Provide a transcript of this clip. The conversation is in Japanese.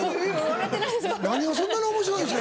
笑ってないです。